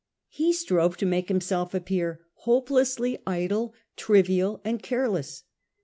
He strove to make himself appear hopelessly idle, trivial, and care less.